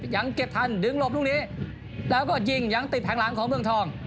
ยังเก็บทันดึงหลบลูกนี้แล้วก็ยิงยังติดแห่งหลังของเมืองทอง